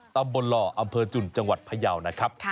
หล่ออำเภอจุ่นจังหวัดพยาวนะครับ